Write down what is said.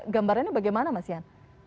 gambarannya bagaimana mas yan